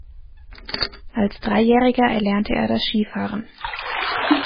Als Dreijähriger erlernte er das Skifahren.